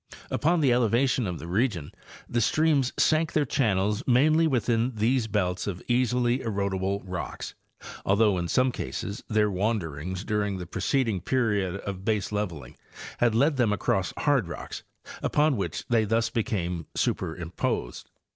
Upon the elevation of the region the streams sank their channels mainly within these belts of easily erodible rocks, although in some cases their wanderings during the preceding period of baseleveling had led them across hard rocks upon which they thus became superimposed.